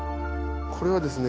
これはですね。